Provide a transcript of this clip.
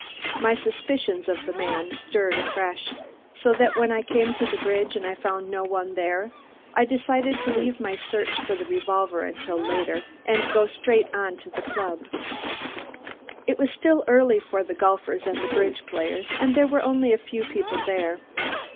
My suspicions of the man stirred afresh, so that when I came to the bridge and found no one there, I decided to leave my search for the revolver until later and go straight on to the club. It was still early for the golfers and the bridge players and there were only a few people there.